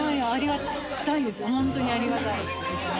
ホントにありがたいですね。